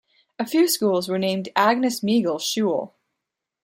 A few schools were named Agnes-Miegel-Schule.